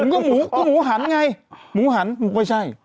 ก็หมูก็หมูหันไงหมูหันไม่ใช่